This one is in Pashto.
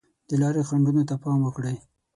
د لارې خنډونو ته پام وکړئ.